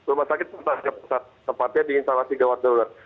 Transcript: rumah sakit sepatunya di instalasi gawat gawat